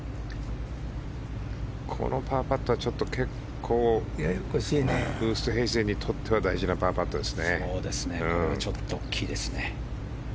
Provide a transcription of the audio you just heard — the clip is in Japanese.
このパーパットは結構ウーストヘイゼンにとっては大事なパーパットですね。